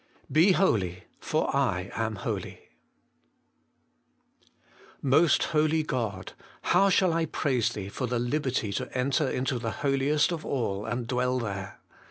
BE HOLY, FOE I AM HOLY. Most Holy God ! how shall I praise Thee for the liberty to enter into the Holiest of all, and dwell there